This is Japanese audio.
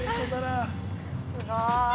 ◆すごーい。